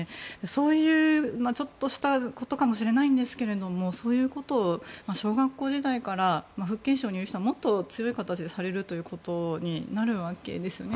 そういう、ちょっとしたことかもしれませんがそういうことを小学校時代から福建省にいる人はもっと強い形でされるということになるわけですよね。